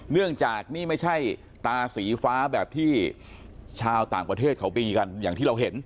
เนื่องจากนี่ไม่ใช่ตาสีฟ้าแบบที่ชาวต่างประเทศเขาบีกันอย่างที่เราเห็น